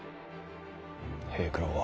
平九郎は？